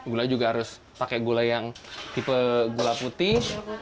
gula juga harus pakai gula yang tipe gula putih